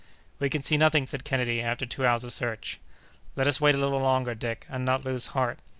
"We can see nothing," said Kennedy, after two hours of search. "Let us wait a little longer, Dick, and not lose heart.